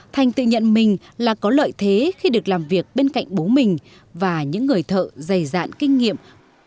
thành tự nhận mình là có lợi thế khi được làm việc bên cạnh bố mình và những người thợ dày dạn kinh nghiệm